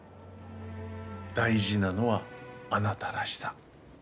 大事なのはあなたらしさ。